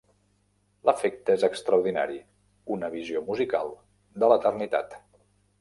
L'efecte és extraordinari: una visió musical de l'eternitat.